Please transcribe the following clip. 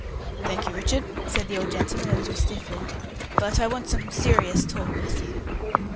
"Thank you, Richard," said the old gentleman, a little stiffly, "but I want some serious talk with you.